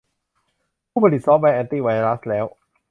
ผู้ผลิตซอฟต์แวร์แอนตี้ไวรัสแล้ว